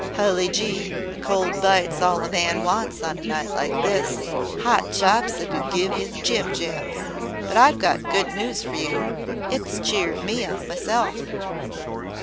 "Hully Gee, a cold bite's all a man wants on a night like this. Hot chops'd give him the jim jams. But I've got good news for you it's cheered me up myself."